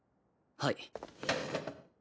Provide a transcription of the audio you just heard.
はい。